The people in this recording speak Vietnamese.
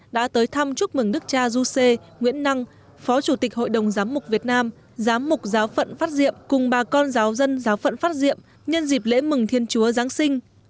đã tới thăm chúc mừng đức cha du sê nguyễn năng phó chủ tịch hội đồng giám mục việt nam giám mục giáo phận phát diệm cùng bà con giáo dân giáo phận phát diệm nhân dịp lễ mừng thiên chúa giáng sinh